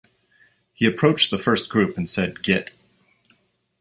He approached the first group and said, Git.